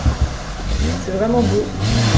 C’est vraiment beau.